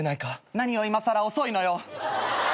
何よいまさら遅いのよ。